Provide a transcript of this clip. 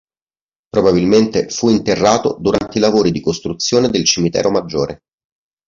Probabilmente fu interrato durante i lavori di costruzione del Cimitero Maggiore.